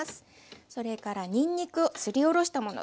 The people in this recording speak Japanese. それからにんにくをすりおろしたもの。